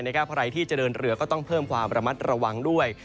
ใครที่จะเดินเรือก็ต้องเพิ่มความระมัดระวังด้วย